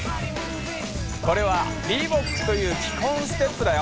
これはリーボックという基本ステップだよ。